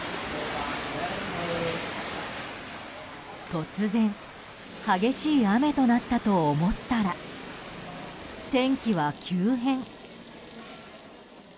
突然激しい雨となったと思ったら天気は急変。